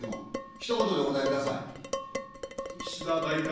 ひと言でお答えください。